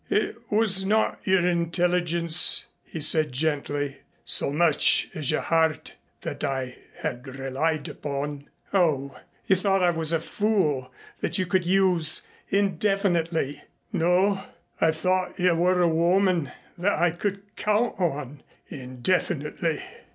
"It was not your intelligence," he said gently, "so much as your heart that I had relied upon." "Oh, you thought I was a fool that you could use indefinitely " "No. I thought you were a woman that I could count on indefinitely."